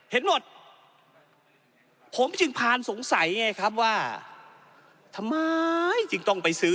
เห็นหมดผมจึงพานสงสัยไงครับว่าทำไมจึงต้องไปซื้อ